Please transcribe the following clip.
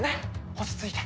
落ち着いて！